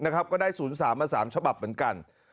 ก็ได้๐๓มา๓ฉบับเหมือนกัน